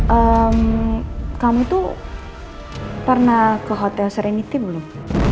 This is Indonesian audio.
eee kamu tuh pernah ke hotel serenity belum